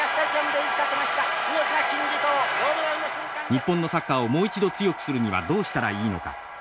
日本のサッカーをもう一度強くするにはどうしたらいいのか。